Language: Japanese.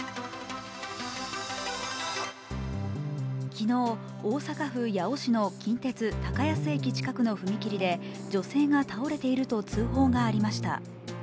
昨日、大阪府八尾市の近鉄・高安駅近くの踏切で女性が倒れていると通報がありました。